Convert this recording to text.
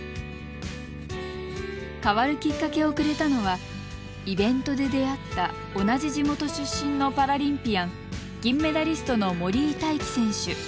変わるきっかけをくれたのはイベントで出会った同じ地元出身のパラリンピアン銀メダリストの森井大輝選手。